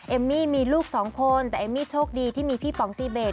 เอมมี่มีลูกสองคนแต่เอมมี่โชคดีที่มีพี่ป๋องซีเบส